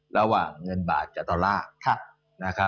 ระหว่างเงินบาทจากตลาด